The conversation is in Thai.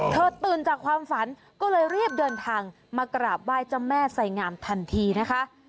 ตื่นจากความฝันก็เลยรีบเดินทางมากราบไหว้เจ้าแม่ไสงามทันทีนะคะ